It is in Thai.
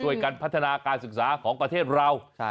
โดยการพัฒนาการศึกษาของประเทศเทียมเรา